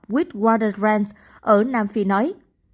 whitwater ranch ở nam phi nói